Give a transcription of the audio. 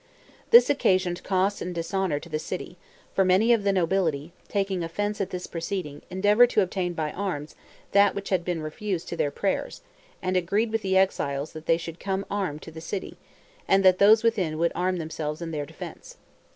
This occasioned cost and dishonor to the city; for many of the nobility, taking offense at this proceeding, endeavored to obtain by arms that which had been refused to their prayers, and agreed with the exiles that they should come armed to the city, and that those within would arm themselves in their defense.